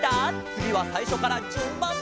つぎはさいしょからじゅんばん！